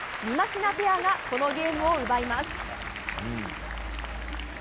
みまひなペアがこのゲームを奪います。